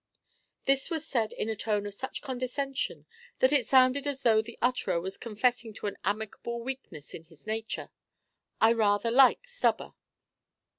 This was said in a tone of such condescension that it sounded as though the utterer was confessing to an amicable weakness in his nature, "I rather like Stubber."